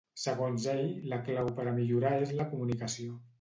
Segons ell, la clau per a millorar és la comunicació.